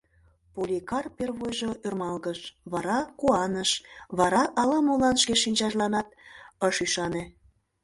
Поликар первойжо ӧрмалгыш, вара куаныш, вара ала-молан шке шинчажланат ыш ӱшане.